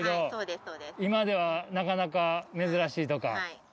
今では、なかなか珍しいとか。